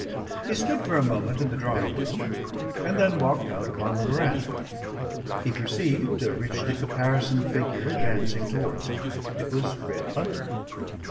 He stood for a moment in the drawing room and then walked out upon the veranda. He perceived a richly caparisoned figure advancing towards him. It was Fred Bunting.